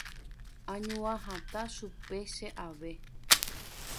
añañua hatã chupe che ave.